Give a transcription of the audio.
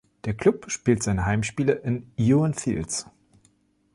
Der Klub spielt seine Heimspiele im Ewen Fields.